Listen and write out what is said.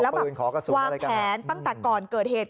แล้วแบบวางแผนตั้งแต่ก่อนเกิดเหตุ